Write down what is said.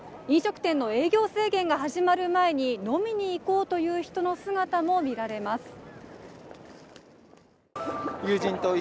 飲食店の営業制限が始まる前に飲みに行こうという人の姿も見られます。